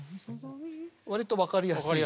わりと分かりやすい。